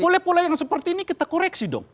polep polep yang seperti ini kita koreksi dong